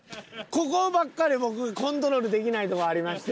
ここばっかりは僕コントロールできないとこありまして。